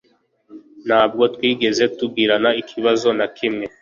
Ntabwo twigeze tugirana ikibazo na kimwe